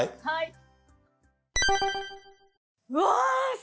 はい。